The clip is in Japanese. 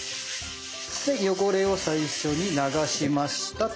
汚れを最初に流しましたと。